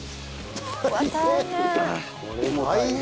大変！